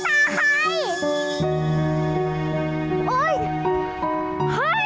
เอาไปเอาไป